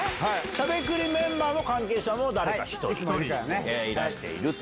しゃべくりメンバーの関係者も誰か１人いらしていると。